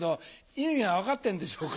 意味が分かってんでしょうか。